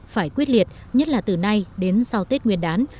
phải quyết liệt nhất là từ nay đến sau tết nguyên đán